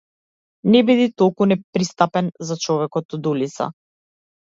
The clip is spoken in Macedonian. Не биди толку непристапен за човекот од улица.